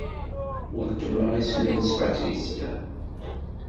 Weltma isem-nnes Patricia.